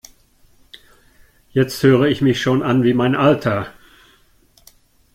Jetzt höre ich mich schon an wie mein Alter!